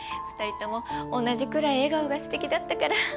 ２人とも同じくらい笑顔がすてきだったから。